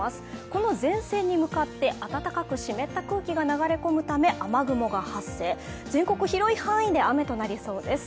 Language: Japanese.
この前線に向かって暖かく湿った空気が流れ込むため雨雲が発生、全国広い範囲で雨となりそうです。